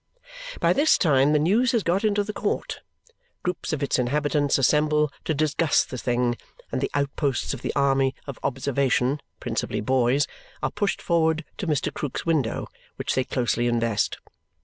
By this time the news has got into the court. Groups of its inhabitants assemble to discuss the thing, and the outposts of the army of observation (principally boys) are pushed forward to Mr. Krook's window, which they closely invest.